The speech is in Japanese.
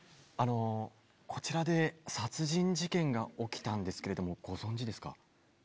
こちらで殺人事件が起きたんですけどご存じですか？